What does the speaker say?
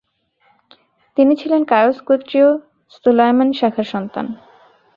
তিনি ছিলেন কায়স গোত্রের সুলায়ম শাখার সন্তান।